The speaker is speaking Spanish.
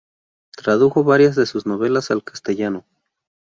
Tradujo varias de sus novelas al castellano.